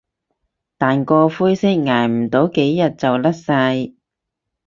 但個灰色捱唔到幾日就甩晒